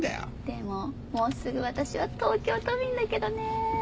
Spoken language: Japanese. でももうすぐ私は東京都民だけどね。